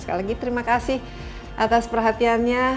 sekali lagi terima kasih atas perhatiannya